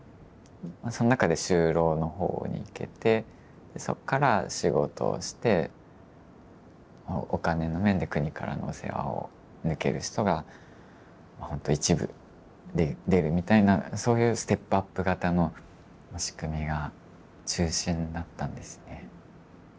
その中で就労の方にいけてそこから仕事をしてお金の面で国からの世話を抜ける人が一部出るみたいなそういうステップアップ型の仕組みが中心だったんですね。